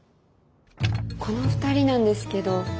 この２人なんですけど。